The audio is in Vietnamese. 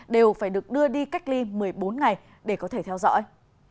đều phải được đưa đi cách ly một mươi bốn ngày để có thể theo dõi